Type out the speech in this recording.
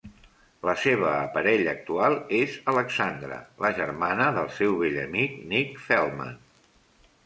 La seva parella actual és Alexandra, la germana del seu vell amic Nick Feldman.